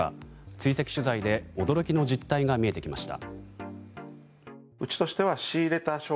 追跡取材で驚きの実態が見えてきました。